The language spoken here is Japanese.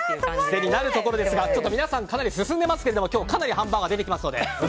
癖になるところですが皆さん、かなり進んでいますが今日、かなりハンバーガー出てきますので。